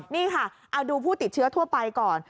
นี่ค่ะเอาดูผู้ติดเชื้อทั่วไปก่อน